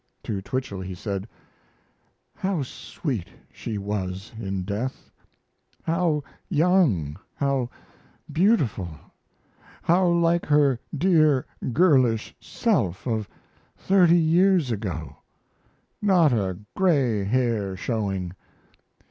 To Twichell he said: How sweet she was in death, how young, how beautiful, how like her dear girlish self of thirty years ago, not a gray hair showing!